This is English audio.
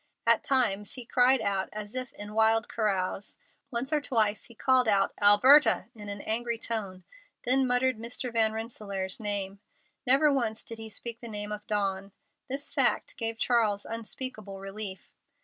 At times he cried out as if in wild carouse. Once or twice he called "Alberta!" in an angry tone, then muttered Mr. Van Rensselaer's name. Never once did he speak the name of Dawn. This fact gave Charles unspeakable relief.